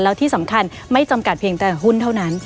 แล้วที่สำคัญไม่จำกัดเพียงแต่หุ้นเท่านั้น